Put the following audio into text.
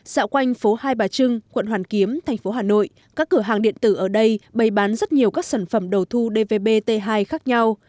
dạo quanh phố hai bà trưng quận hoàn kiếm thành phố hà nội các cửa hàng điện tử ở đây bày bán rất nhiều các sản phẩm đầu thu dvbt hai khác nhau